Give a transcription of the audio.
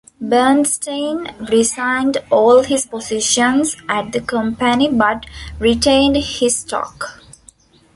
Bernstein resigned all his positions at the company but retained his stock.